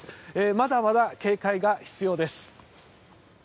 まだまだ警戒が必要です。